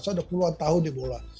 saya udah puluhan tahun di bola